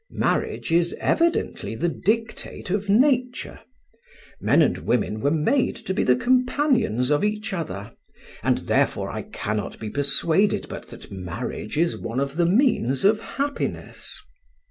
"Marriage is evidently the dictate of Nature; men and women were made to be the companions of each other, and therefore I cannot be persuaded but that marriage is one of the means of happiness."